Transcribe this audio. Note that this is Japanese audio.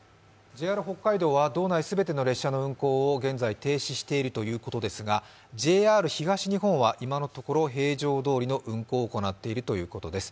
ＪＲ北海道は道内全ての列車の運行を現在停止しているということですが、ＪＲ東日本は今のところ平常どおりの運行を行っているということです。